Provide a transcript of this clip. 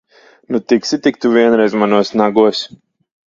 Nu, tiksi tik tu vienreiz manos nagos!